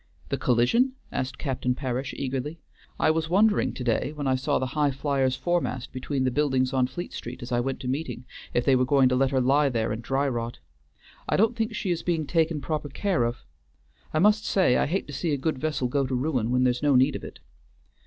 "The collision?" asked Captain Parish, eagerly. "I was wondering to day when I saw the Highflyer's foremast between the buildings on Fleet Street as I went to meeting, if they were going to let her lie there and dry rot. I don't think she's being taken proper care of. I must say I hate to see a good vessel go to ruin when there's no need of it."